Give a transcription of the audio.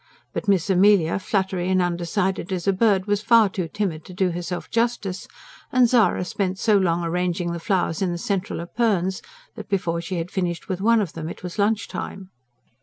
But Miss Amelia, fluttery and undecided as a bird, was far too timid to do herself justice; and Zara spent so long arranging the flowers in the central epergnes that before she had finished with one of them it was lunch time.